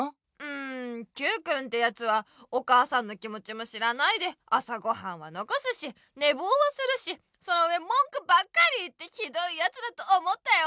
んＱくんてやつはお母さんの気もちも知らないで朝ごはんはのこすしねぼうはするしそのうえもんくばっかり言ってひどいやつだと思ったよ。